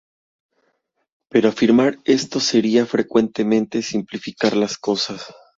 Pero afirmar esto sería frecuentemente simplificar las cosas.